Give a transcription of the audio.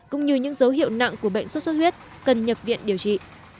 cũng như những dấu hiệu nặng của bệnh sốt xuất huyết cần nhập viện điều trị